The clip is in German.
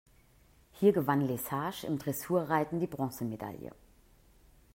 Hier gewann Lesage im Dressurreiten die Bronzemedaille.